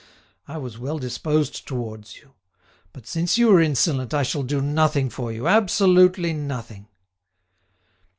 I was well disposed towards you, but since you are insolent I shall do nothing for you, absolutely nothing."